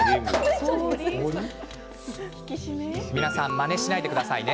まねしないでくださいね。